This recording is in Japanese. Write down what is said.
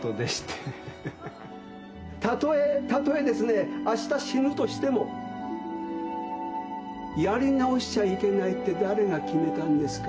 たとえ、たとえですね明日死ぬとしてもやり直しちゃいけないって誰が決めたんですか？